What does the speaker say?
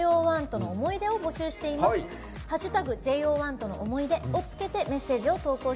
「＃ＪＯ１との思い出」をつけてメッセージを投稿してください。